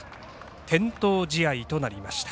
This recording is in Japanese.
点灯試合となりました。